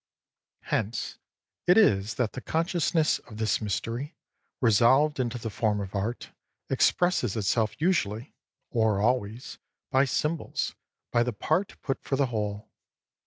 Hence it is that the consciousness of this mystery, resolved into the form of art, expresses itself usually (or always) by symbols, by the part put for the whole.